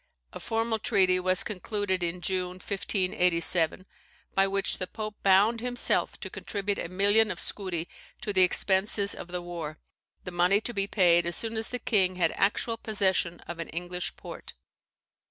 A formal treaty was concluded (in June, 1587), by which the pope bound himself to contribute a million of scudi to the expenses of the war; the money to be paid as soon as the king had actual possession of an English port.